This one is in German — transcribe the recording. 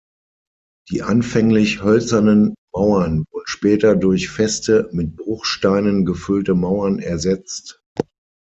Die anfänglich hölzernen Mauern wurden später durch feste, mit Bruchsteinen gefüllte Mauern ersetzt.